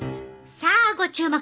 さあご注目。